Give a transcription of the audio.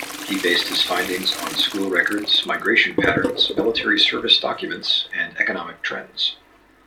He based his findings on school records, migration patterns, military-service documents and economic trends.